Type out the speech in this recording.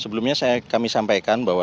sebelumnya kami sampaikan bahwa